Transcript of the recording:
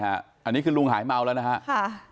อันนี้คือเลวบีนหายเมาแล้วนะนะครับ